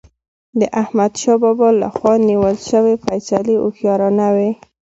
د احمدشاه بابا له خوا نیول سوي فيصلي هوښیارانه وي.